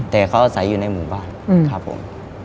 แต่เขาอาศัยอยู่ในหมู่บ้านครับผม